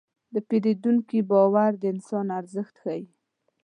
د پیرودونکي باور د انسان ارزښت ښيي.